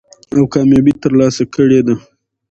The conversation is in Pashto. او کاميابي تر لاسه کړې ده.